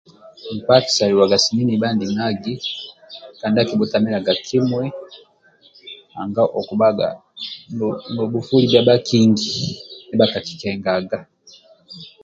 Nkpa akisaliluwaga sini nibha ndimagi kandi akibhutamiliaga kimui anga okubhaga no nobhufoli bhia bhakingi ndibhakakikengaga.